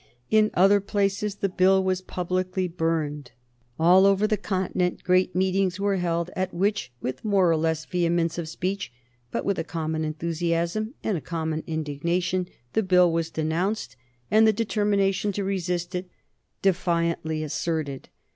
In other places the Bill was publicly burned. All over the Continent great meetings were held, at which, with more or less vehemence of speech, but with a common enthusiasm and a common indignation, the Bill was denounced, and the determination to resist it defiantly asserted.